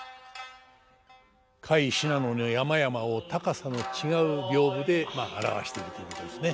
甲斐信濃の山々を高さの違う屏風で表しているということですね。